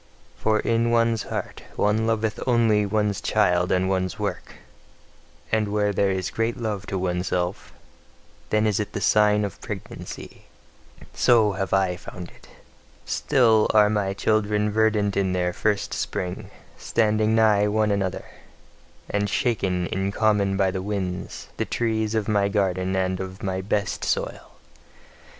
For in one's heart one loveth only one's child and one's work; and where there is great love to oneself, then is it the sign of pregnancy: so have I found it. Still are my children verdant in their first spring, standing nigh one another, and shaken in common by the winds, the trees of my garden and of my best soil.